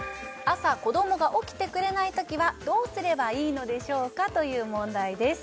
朝子どもが起きてくれないときはどうすればいいのでしょうかという問題です